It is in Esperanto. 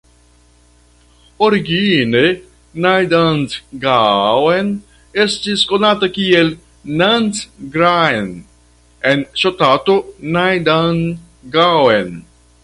Origine Rajnandgaon estis konata kiel Nandgram en ŝtato Rajnandgaon.